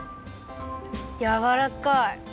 やわらかい！